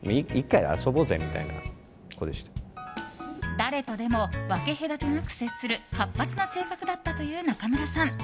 誰とでも分け隔てなく接する活発な性格だったという中村さん。